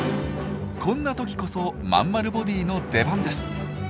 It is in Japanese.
こんな時こそまんまるボディーの出番です。